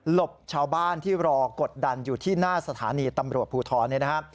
หลบชาวบ้านที่รอกดดันอยู่ที่หน้าสถานีตำรวจภูทธรณ์